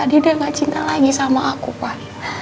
dia udah gak cinta lagi sama aku pak